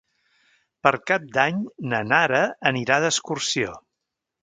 Per Cap d'Any na Nara anirà d'excursió.